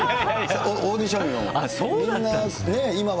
オーディションよ。